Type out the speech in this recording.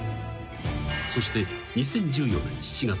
［そして２０１４年７月。